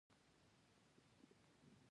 مورغاب سیند د ټولو افغانانو ژوند اغېزمن کوي.